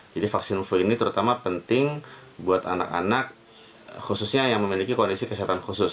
jadi vaksin flu ini terutama penting buat anak anak khususnya yang memiliki kondisi kesehatan khusus